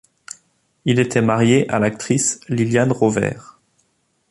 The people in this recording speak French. Il était marié à l'actrice Liliane Rovère.